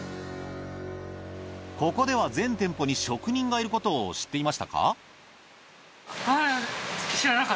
ここでは全店舗に職人がいることを知っていましたか？